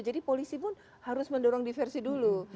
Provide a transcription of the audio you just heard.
jadi polisi pun harus mendorong diversi dulu